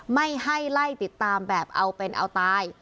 ไม่ให้ไล่ติดตามแบบเอาเป็นเอาตาย